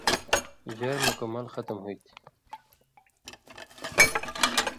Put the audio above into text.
ژر مکمل ختم ہُوئ تھی